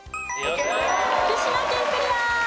福島県クリア！